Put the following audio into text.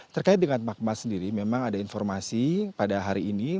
terkait dengan magma sendiri memang ada informasi pada hari ini